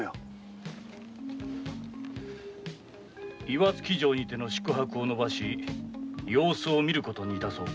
岩槻城にての宿泊を延ばし様子を見ることに致そう。